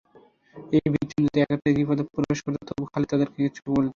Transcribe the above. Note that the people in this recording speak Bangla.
এই বিশজন যদি একত্রেও গিরিপথে প্রবেশ করত তবুও খালিদ তাদেরকে কিছু বলতেন না।